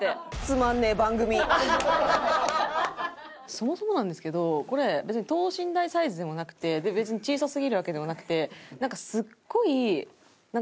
そもそもなんですけどこれ別に等身大サイズでもなくて別に小さすぎるわけでもなくてなんか。